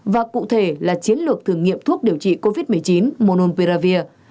và cụ thể là chiến lược thử nghiệm thuốc điều trị covid một mươi chín mononpiravir